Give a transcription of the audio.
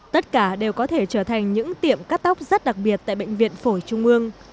tất cả đều có thể trở thành những tiệm cắt tóc rất đặc biệt tại bệnh viện phổi trung ương